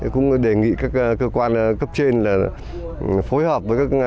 cũng đề nghị các cơ quan cấp trên là phối hợp với các